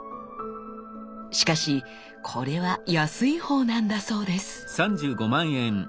しかしこれは安いほうなんだそうです。